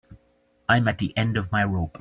I'm at the end of my rope.